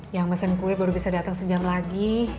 yang mesin kue baru bisa datang sejam lagi